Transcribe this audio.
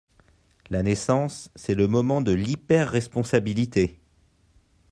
La naissance, c’est le moment de l’hyper-responsabilité.